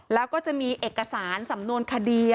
แล้วก็จะมีเอกสารสำนวนคดี